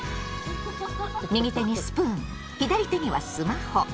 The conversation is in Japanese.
右手にスプーン左手にはスマホ。